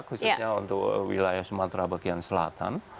khususnya untuk wilayah sumatera bagian selatan